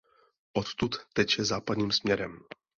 Odtud teče západním směrem.